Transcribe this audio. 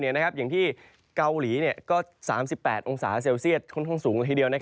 อย่างที่เกาหลีก็๓๘องศาเซลเซียตค่อนข้างสูงละทีเดียว